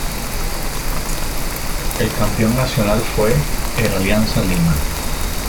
El campeón nacional fue el Alianza Lima.